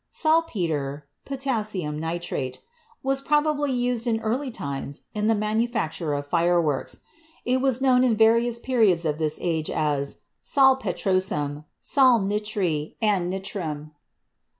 Saltpeter (potassium nitrate) was probably THE LATER ALCHEMISTS S5 used in early times in the manufacture of fireworks; it was known in various periods of this age as "sal petro sum," "sal nitri" and "nitrum."